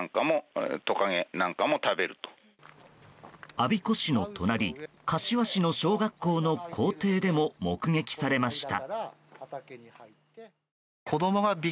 我孫子市の隣柏市の小学校の校庭でも目撃されました。